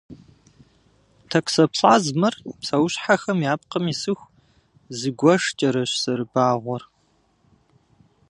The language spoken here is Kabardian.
Токсоплазмэр псэущхьэхэм я пкъым исыху зигуэшкӏэрэщ зэрыбагъуэр.